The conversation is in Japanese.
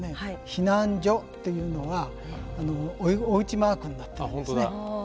避難所っていうのはおうちマークになってるんですね。